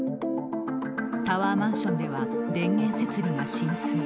タワーマンションでは電源設備が浸水。